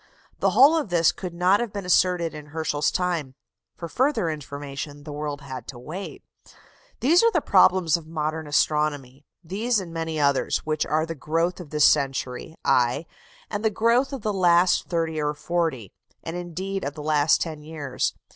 The whole of this could not have been asserted in Herschel's time: for further information the world had to wait. These are the problems of modern astronomy these and many others, which are the growth of this century, aye, and the growth of the last thirty or forty, and indeed of the last ten years.